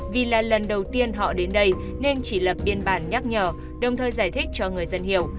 vì là lần đầu tiên họ đến đây nên chỉ lập biên bản nhắc nhở đồng thời giải thích cho người dân hiểu